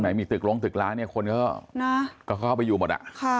ตรงไหนมีตึกลงตึกล้างคนก็เข้าไปอยู่หมด